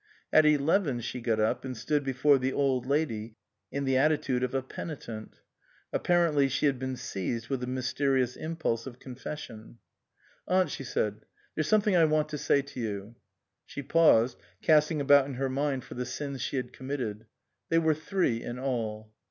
At eleven she got up and stood before the Old Lady in the attitude of a penitent. Apparently she had been seized with a mysterious impulse of confession. 325 SUPERSEDED " Aunt," she said, " there's something I want to say to you." She paused, casting about in her mind for the sins she had committed. They were three in all.